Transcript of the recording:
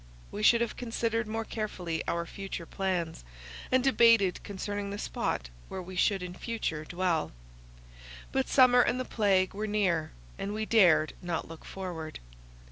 We should have considered more carefully our future plans, and debated concerning the spot where we should in future dwell. But summer and the plague were near, and we dared not look forward.